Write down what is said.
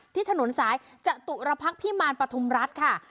ที่ถนนซ้ายจะตุระพักพี่มารปฐมรัฐค่ะ